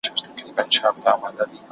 تاسو بايد په خپلو کړنو کي جدي اوسئ.